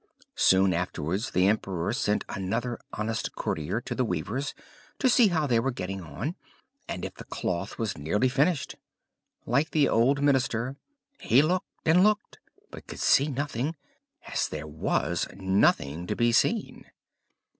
Soon afterwards the emperor sent another honest courtier to the weavers to see how they were getting on, and if the cloth was nearly finished. Like the old minister, he looked and looked but could see nothing, as there was nothing to be seen.